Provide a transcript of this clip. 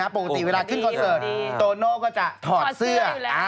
ปกติเวลาขึ้นคอนเสิร์ตโตโน่ก็จะถอดเสื้อ